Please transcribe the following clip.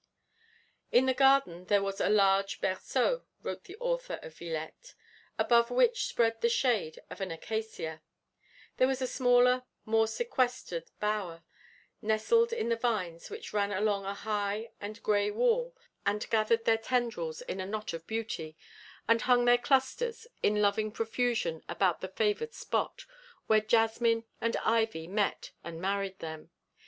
'In the garden there was a large berceau,' wrote the author of Villette, '_above which spread the shade of an acacia; there was a smaller, more sequestered bower, nestled in the vines which ran along a high and grey wall and gathered their tendrils in a knot of beauty; and hung their clusters in loving profusion about the favoured spot, where jasmine and ivy met and married them